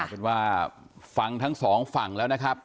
ก็คือว่าฝังทั้งสองฝังแล้วนะครับ